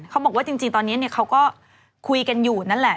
เขาบอกว่าจริงตอนนี้เขาก็คุยกันอยู่นั่นแหละ